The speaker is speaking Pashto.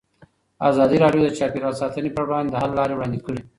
ازادي راډیو د چاپیریال ساتنه پر وړاندې د حل لارې وړاندې کړي.